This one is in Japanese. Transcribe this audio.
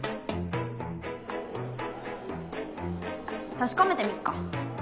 確かめてみっか。